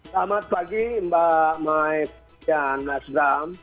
selamat pagi mbak maes dan mbak sram